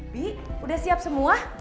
bi udah siap semua